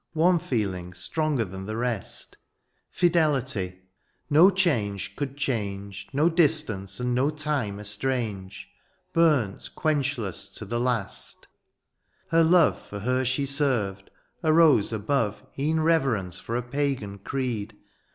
One feeling stronger than the rest. 70 DIONTSIUS, Fidelity — ^no change could change^ No distance and no time estrange — Burnt quenchless to the last : her love For her she senred, arose above E^en reyerence for a pagan creed.